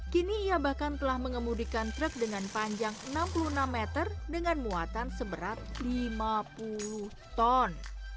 kini ia bahkan telah mengemudikan truk dengan panjang enam puluh enam meter dengan muatan seberat lima puluh ton